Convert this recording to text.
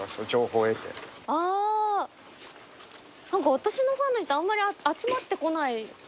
私のファンの人あんまり集まってこない。